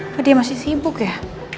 karena dia masih sibuk ya